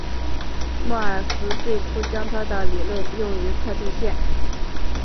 莫尔斯最初将他的理论用于测地线。